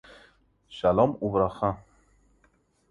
It is now known as the Emmanuel Liais Gardens.